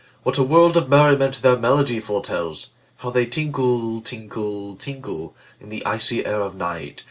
What a world of merriment their melody foretells! How they tinkle, tinkle, tinkle, In the icy air of night!